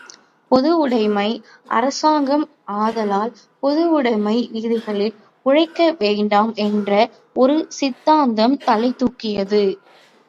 பொதுவுடைமை அரசாங்கம் ஆதலால் பொதுவுடைமை விதிகளில் உழைக்க வேண்டாம் என்ற ஒரு சித்தாந்தம் தலைதூக்கியது.